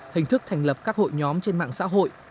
hình thức thành lập các hội nhóm trên mạng xã hội